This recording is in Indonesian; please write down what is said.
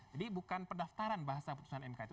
jadi bukan pendaftaran bahasa putusan mk itu